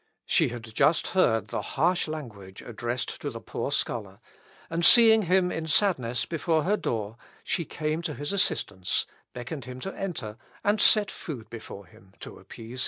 She had just heard the harsh language addressed to the poor scholar, and seeing him in sadness before her door, she came to his assistance, beckoned him to enter, and set food before him to appease his hunger.